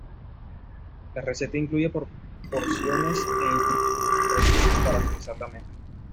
La receta incluye proporciones e instrucciones precisas para realizar la mezcla.